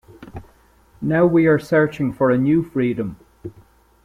Now we are searching for a new freedom.